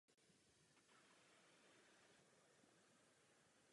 Michael Gouskos byl záložním důstojníkem dělostřelectva.